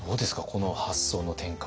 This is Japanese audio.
この発想の転換。